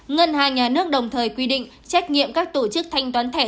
ngân hàng nhà nước đồng thời quy định trách nhiệm các tổ chức thanh toán thẻ